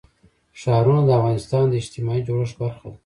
ښارونه د افغانستان د اجتماعي جوړښت برخه ده.